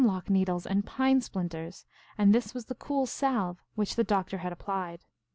221 lock needles and pine splinters, and this was the cool salve which the Doctor had applied.